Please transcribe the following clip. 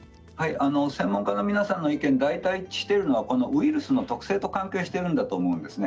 専門家の皆さんの意見は大体一致しているのはウイルスの特性と関係していると思うんですね。